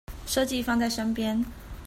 設計放在身邊